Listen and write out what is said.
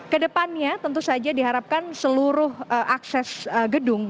kedepannya tentu saja diharapkan seluruh akses gedung